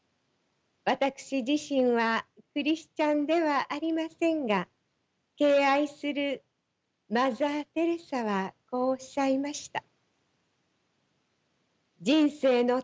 私自身はクリスチャンではありませんが敬愛するマザー・テレサはこうおっしゃいました。